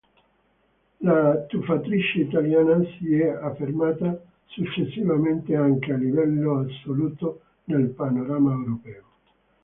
La tuffatrice italiana si è affermata successivamente anche a livello assoluto nel panorama europeo.